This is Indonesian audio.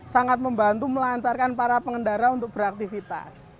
sangat membantu melancarkan para pengendara untuk beraktivitas